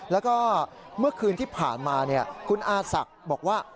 แล้วก็เมื่อคืนที่ผ่านมาคุณอาศักดิ์บอกว่า